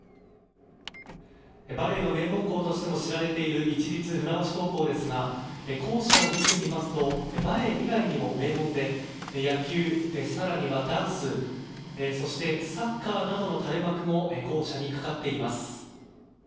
バレーの名門校としても知られている市立船橋高校ですが校舎を見てみますとバレー以外にも名門で、野球、更にはダンスそして、サッカーなどの垂れ幕も校舎にかかっています。